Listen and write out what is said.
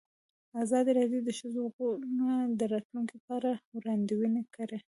ازادي راډیو د د ښځو حقونه د راتلونکې په اړه وړاندوینې کړې.